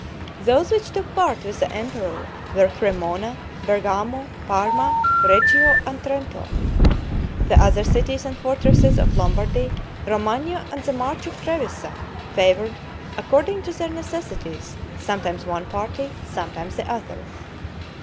Those which took part with the emperor, were Cremona, Bergamo, Parma, Reggio, and Trento. The other cities and fortresses of Lombardy, Romagna, and the march of Trevisa, favored, according to their necessities, sometimes one party, sometimes the other.